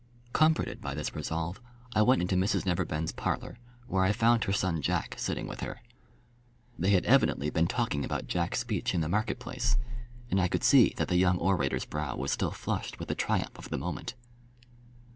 Comforted by this resolve, I went into Mrs Neverbend's parlour, where I found her son Jack sitting with her. They had evidently been talking about Jack's speech in the market place; and I could see that the young orator's brow was still flushed with the triumph of the moment.